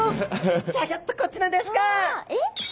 ギョギョッとこちらですか。